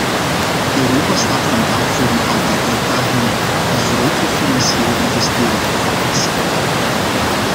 Europa staat vandaag voor een aantal uitdagingen die grotere financiële investeringen vereisen.